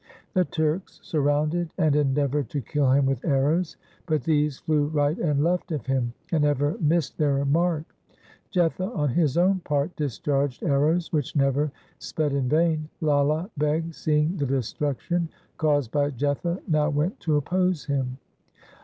The Turks surrounded and endeavoured to kill him with arrows, but these flew right and left of him and ever missed LIFE OF GURU HAR GOBIND 185 their mark. Jetha on his own part discharged arrows which never sped in vain. Lala Beg, seeing the destruction caused by Jetha, now went to oppose him.